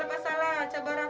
kalau ini jawabannya apa adil